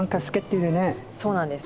そうなんです。